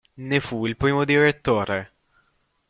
Ne fu il primo direttore.